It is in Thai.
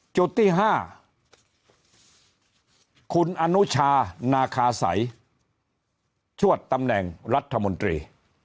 จุดที่๕คุณอนุชานาคาสัยชวดตำแหน่งรัฐมนตรี